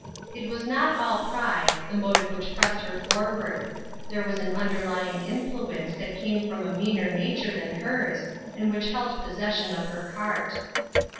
It was not all pride, the motive which pressed her forward ; there was an underlying influence that came from a meaner nature than hers, and which held possession of her heart.